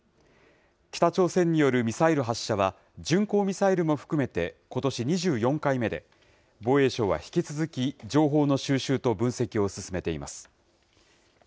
北朝鮮によるミサイル発射は、巡航ミサイルも含めてことし２４回目で、防衛省は引き続き情報の収集と分析を進めています。